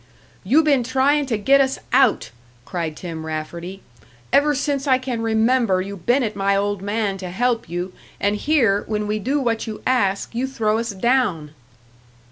"You been tryin' to get us out!" cried Tim Rafferty. "Ever since I can remember you been at my old man to help you an' here, when we do what you ask, you throw us down!"